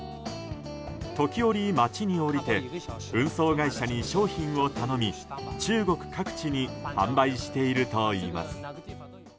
時折、町に下りて運送会社に商品を頼み中国各地に販売しているといいます。